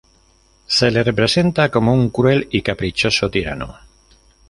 Se le representa como un cruel y caprichoso tirano.